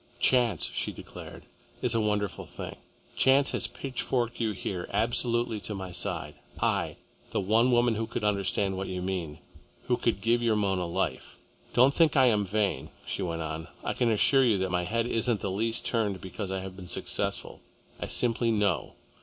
"Chance," she declared, "is a wonderful thing. Chance has pitchforked you here, absolutely to my side, I, the one woman who could understand what you mean, who could give your Mona life. Don't think I am vain," she went on. "I can assure you that my head isn't the least turned because I have been successful. I simply know.